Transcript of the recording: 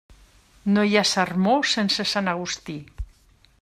No hi ha sermó sense sant Agustí.